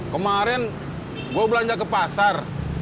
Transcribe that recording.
kemarin gue belanja ke pasar